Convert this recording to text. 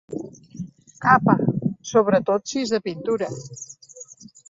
Capa, sobretot si és de pintura.